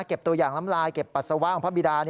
ตัวอย่างน้ำลายเก็บปัสสาวะของพระบิดา